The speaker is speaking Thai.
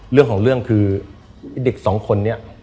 เรื่องของเรื่องคือไอ้เด็กสองคนนี้